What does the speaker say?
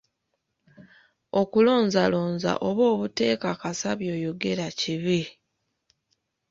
Okulonzalonza oba obuteekakasa by'oyogera kibi.